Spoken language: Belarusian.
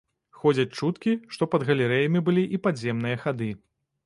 Ходзяць чуткі, што пад галерэямі былі і падземныя хады.